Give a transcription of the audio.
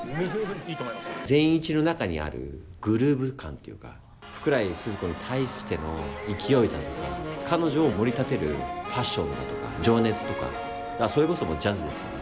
善一の中にあるグルーヴ感というか福来スズ子に対しての勢いだとか彼女をもり立てるパッションだとか情熱とかそれこそジャズですよね